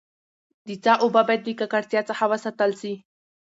د څاه اوبه باید له ککړتیا څخه وساتل سي.